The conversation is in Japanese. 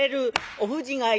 おふじがいる。